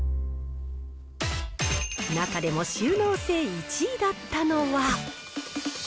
中でも収納性１位だったのは。